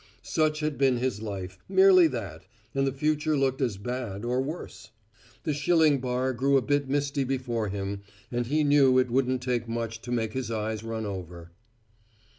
Such had been his life, merely that, and the future looked as bad or worse. The shilling bar grew a bit misty before him and he knew it wouldn't take much to make his eyes run over.